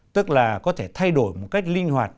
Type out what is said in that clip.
tức là có thể thay đổi một cách linh hoạt